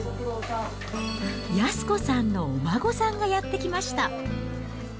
安子さんのお孫さんがやって来ました。